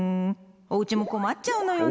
おうちも困っちゃうのよね。